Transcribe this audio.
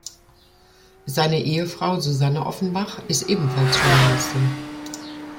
Seine Ehefrau Susanne Offenbach ist ebenfalls Journalistin.